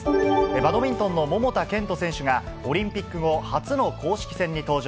バドミントンの桃田賢斗選手が、オリンピック後、初の公式戦に登場。